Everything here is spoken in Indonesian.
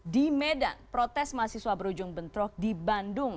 di medan protes mahasiswa berujung bentrok di bandung